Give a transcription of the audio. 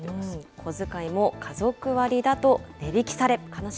小遣いも家族割だと値引きされ、悲しい。